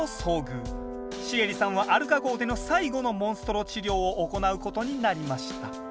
シエリさんはアルカ号での最後のモンストロ治療を行うことになりました。